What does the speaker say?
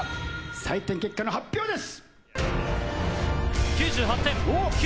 採点結果の発表です！